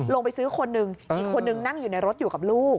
ลงไปซื้อคนหนึ่งอีกคนนึงนั่งอยู่ในรถอยู่กับลูก